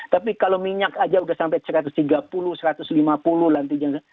tapi kalau minyak aja udah sampai satu ratus tiga puluh satu ratus lima puluh nanti